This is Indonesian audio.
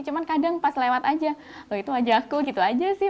cuman kadang pas lewat aja loh itu wajahku gitu aja sih